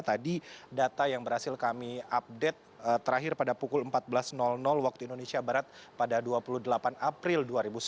tadi data yang berhasil kami update terakhir pada pukul empat belas waktu indonesia barat pada dua puluh delapan april dua ribu sembilan belas